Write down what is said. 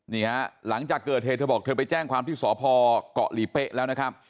หลังจากเกิดเหตุเธอบอกเธอไปแจ้งความที่สพเกาะหลีเป๊ะแล้วนะครับ